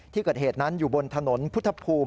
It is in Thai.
ที่เกิดเหตุนั้นอยู่บนถนนพุทธภูมิ